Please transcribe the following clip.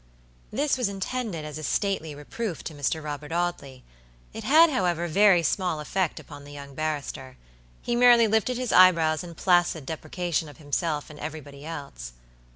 This was intended as a stately reproof to Mr. Robert Audley. It had, however, very small effect upon the young barrister. He merely lifted his eyebrows in placid deprecation of himself and everybody else.